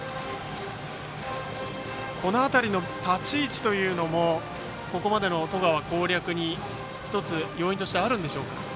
この辺りの立ち位置というのもここまでの十川攻略に１つ要因としてあるんでしょうか。